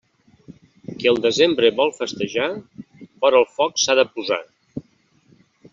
Qui al desembre vol festejar, vora el foc s'ha de posar.